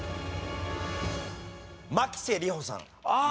牧瀬里穂さん